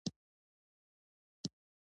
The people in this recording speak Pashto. دا بودیزم چین او جاپان ته لاړ